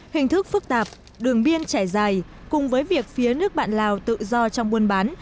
hình thức phức tạp đường biên trải dài cùng với việc phía nước bạn lào tự do trong buôn bán